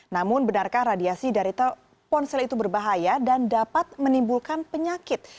namun benarkah radiasi dari ponsel itu berbahaya dan dapat menimbulkan penyakit